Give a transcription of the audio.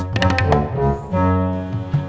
kopi kak kopar pokoknya udah habis